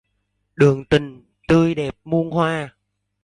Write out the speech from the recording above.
Đường tình tươi đẹp muôn hoa.